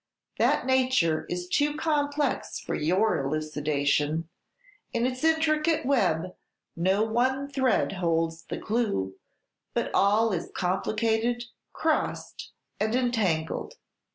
That nature is too complex for your elucidation; in its intricate web no one thread holds the clew, but all is complicated, crossed, and entangled.